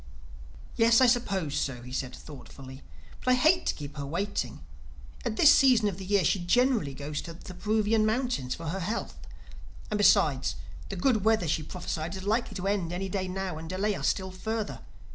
"Yes, I suppose so," he said thoughtfully. "But I hate to keep her waiting. At this season of the year she generally goes to the Peruvian mountains—for her health. And besides, the good weather she prophesied is likely to end any day now and delay us still further.